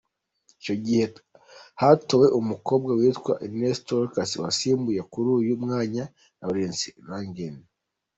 Icyo gihe hatowe umukobwa witwa Annelies Toros wasimbuye kuri uyu mwanya Laurence Langen.